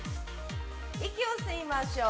息を吸いましょう。